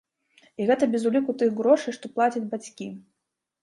І гэта без уліку тых грошай, што плацяць бацькі.